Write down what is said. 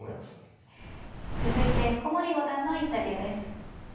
続いて古森五段のインタビューです。